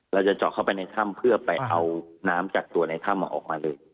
เราจะเจาะเข้าไปในถ้ำเพื่อไปเอาน้ำจากตัวในถ้ำออกมาเลย